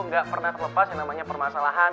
nggak pernah terlepas yang namanya permasalahan